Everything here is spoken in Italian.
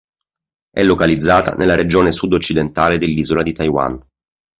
È localizzata nella regione sud-occidentale dell'isola di Taiwan.